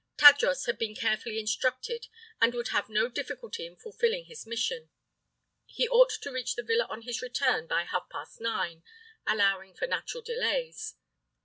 Tadros had been carefully instructed, and would have no difficulty in fulfilling his mission. He ought to reach the villa on his return by half past nine, allowing for natural delays.